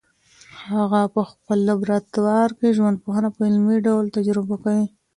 هغه په خپل لابراتوار کي ژوندپوهنه په عملي ډول تجربه کوي.